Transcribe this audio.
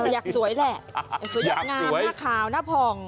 อยากสวยแหละอยากสวยอยากงามหน้าขาวหน้าผ่อง